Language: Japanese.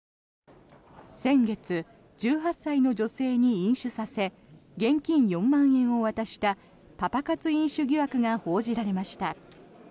先月、１８歳の女性に飲酒させ現金４万円を渡したパパ活飲酒疑惑が報じられました。